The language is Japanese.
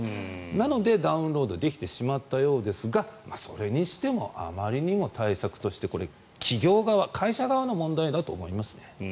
なので、ダウンロードできてしまったようですがそれにしてもあまりにも対策としてこれは企業側、会社側の問題だと思いますね。